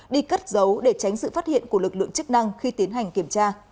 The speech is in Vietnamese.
đi cất giấu để tránh sự phát hiện của lực lượng chức năng khi tiến hành kiểm tra